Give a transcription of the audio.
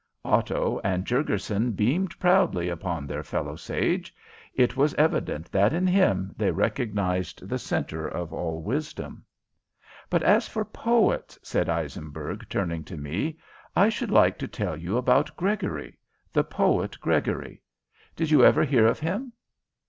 Otto and Jurgurson beamed proudly upon their fellow sage. It was evident that in him they recognized the centre of all wisdom. "But as for poets," said Eisenberg, turning to me, "I should like to tell you about Gregory the poet Gregory. Did you ever hear of him?"